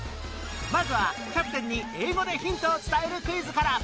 まずはキャプテンに英語でヒントを伝えるクイズから